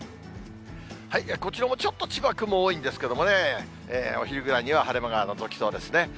こちらもちょっと千葉、雲多いんですけどね、お昼ぐらいには晴れ間がのぞきそうですね。